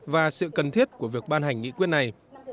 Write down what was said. và sự cần thiết của việc ban hành nghị quyết này